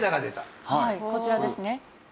はいこちらですね。